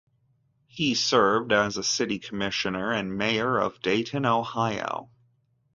He served as a city commissioner and mayor of Dayton, Ohio.